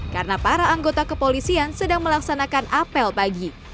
karena para anggota kepolisian sedang melaksanakan apel pagi